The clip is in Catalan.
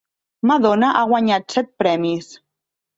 Madonna ha guanyat set premis.